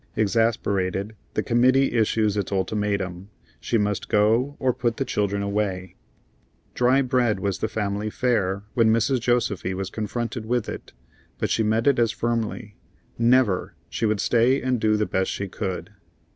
Exasperated, the committee issues its ultimatum: she must go, or put the children away. Dry bread was the family fare when Mrs. Josefy was confronted with it, but she met it as firmly: Never! she would stay and do the best she could.